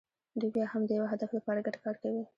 دوی بیا هم د یوه هدف لپاره ګډ کار کوي.